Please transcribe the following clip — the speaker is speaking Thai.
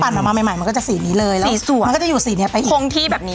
พอปั่นมามาใหม่ใหม่มันก็จะสีนี้เลยสีส่วนมันก็จะอยู่สีนี้ไปโค้งที่แบบนี้